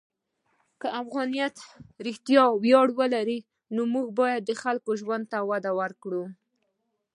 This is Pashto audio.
که افغانیت رښتیا ویاړ ولري، موږ باید د خلکو ژوند ته وده ورکړو.